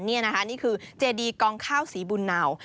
นี่คือเจดีกองข้าวสีบุญเนา